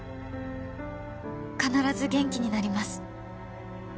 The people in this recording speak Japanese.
「必ず元気になります」